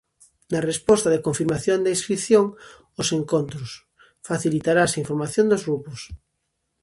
Na resposta de confirmación da inscrición aos Encontros facilitarase a información dos grupos.